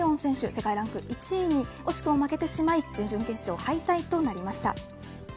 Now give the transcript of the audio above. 世界ランク１位に惜しくも負けてしまい準々決勝敗退となりました。